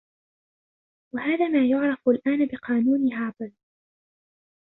وهذا ما يعرف الآن بـقانون هابل